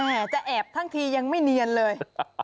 จะแอบทั้งทียังไม่เนียนเลย